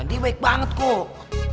dia baik banget kok